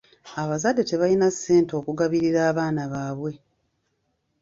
Abazadde tebalina ssente okugabirira abaana baabwe.